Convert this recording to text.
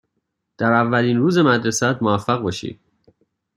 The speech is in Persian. در اولین روز مدرسه ات موفق باشی.